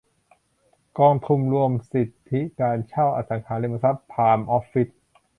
กองทุนรวมสิทธิการเช่าอสังหาริมทรัพย์ไพร์มออฟฟิศ